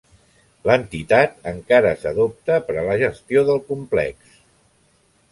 L'entitat encara s'adopta per a la gestió del complex.